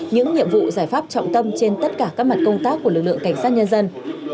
những nhiệm vụ giải pháp trọng tâm trên tất cả các mặt công tác của lực lượng cảnh sát nhân dân